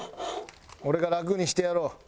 俺が楽にしてやろう。